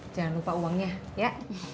jangan lupa uangnya ya